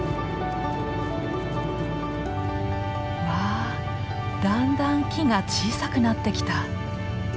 わだんだん木が小さくなってきた。